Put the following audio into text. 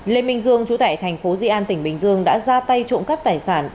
lê minh dương chủ tại thành phố di an tỉnh bình dương đã ra tay trộm các tài sản